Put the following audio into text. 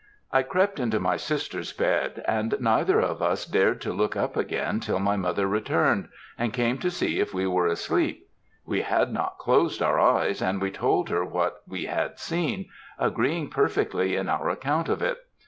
I crept into my sister's bed, and neither of us dared to look up again till my mother returned, and came to see if we were asleep. We had not closed our eyes, and we told her what we had seen, agreeing perfectly in our account of it.